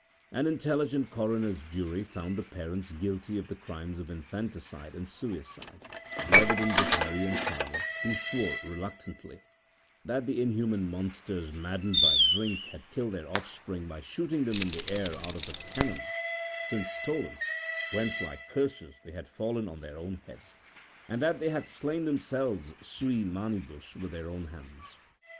An intelligent coroner's jury found the parents guilty of the crimes of infanticide and suicide, on the evidence of Harry and Tommy, who swore, reluctantly, that the inhuman monsters, maddened by drink, had killed their offspring by shooting them into the air out of a cannon since stolen whence like curses they had fallen on their own heads; and that then they had slain themselves suis manibus with their own hands..